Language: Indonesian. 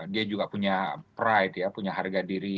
dia juga punya pride ya punya harga diri